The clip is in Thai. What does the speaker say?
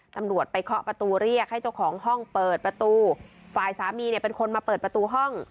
ตำรวจไปเคาะประตูเรียกให้เจ้าของห้องเปิดประตูฝ่ายสามีเนี่ยเป็นคนมาเปิดประตูห้อง